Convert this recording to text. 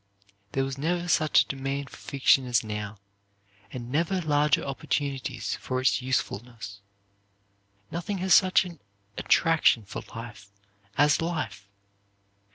"There was never such a demand for fiction as now, and never larger opportunities for its usefulness. Nothing has such an attraction for life as life.